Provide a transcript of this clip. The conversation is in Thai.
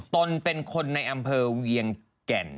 ตนเป็นคนในอำเภอเวียงแก่น